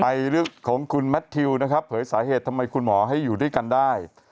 เรื่องของคุณแมททิวนะครับเผยสาเหตุทำไมคุณหมอให้อยู่ด้วยกันได้